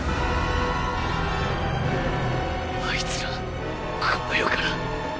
あいつらこの世から。